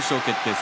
戦